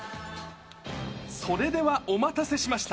それではお待たせしました。